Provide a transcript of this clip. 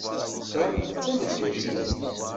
Ta d tameddurt-inu.